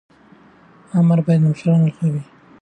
امر باید د مشرانو لخوا وي.